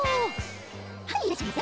はいいらっしゃいませ。